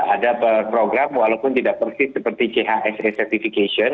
ada program walaupun tidak persis seperti chse certification